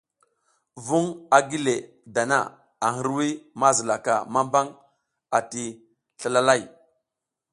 Vuŋ a gi le dana ar hirwuy ma zilaka mambang ati slaslalay.